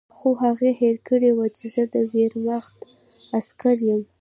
خو هغې هېر کړي وو چې زه د ویرماخت عسکر یم